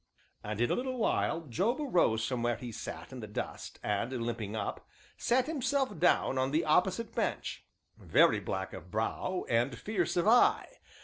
And, in a little while, Job arose from where he sat in the dust, and limping up, sat himself down on the opposite bench, very black of brow and fierce of eye.